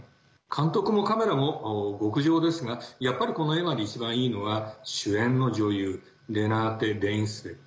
監督もカメラも極上ですがやっぱりこの映画で一番いいのは主演の女優レナーテ・レインスヴェ。